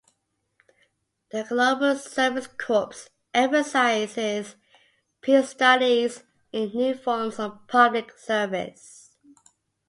The Global Service Corps emphasizes peace studies in new forms of public service.